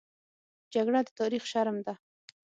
جګړه د تاریخ شرم ده